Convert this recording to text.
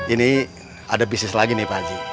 ini ada bisnis lagi nih pak haji